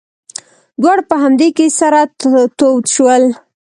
دواړه په همدې کې سره تود شول.